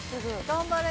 頑張れ！